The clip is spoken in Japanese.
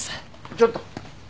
ちょっと！